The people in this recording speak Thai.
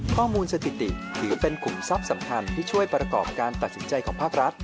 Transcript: ข้อมูลสถิติถือเป็นขุมทรัพย์สำคัญที่ช่วยประกอบการตัดสินใจของภาครัฐ